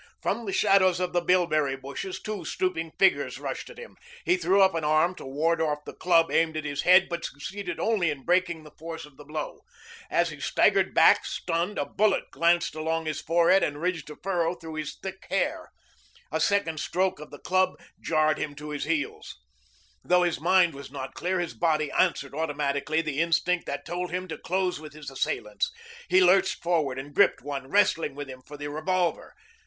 From the shadows of the bilberry bushes two stooping figures rushed at him. He threw up an arm to ward off the club aimed at his head, but succeeded only in breaking the force of the blow. As he staggered back, stunned, a bullet glanced along his forehead and ridged a furrow through the thick hair. A second stroke of the club jarred him to the heels. Though his mind was not clear, his body answered automatically the instinct that told him to close with his assailants. He lurched forward and gripped one, wrestling with him for the revolver.